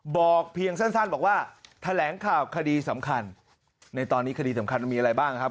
บอกเพียงสั้นบอกว่าแถลงข่าวคดีสำคัญในตอนนี้คดีสำคัญมีอะไรบ้างครับ